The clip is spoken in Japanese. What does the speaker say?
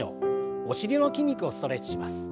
お尻の筋肉をストレッチします。